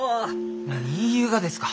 何言いゆうがですか？